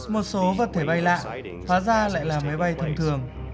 một số vật thể bay lạ phá ra lại là máy bay thông thường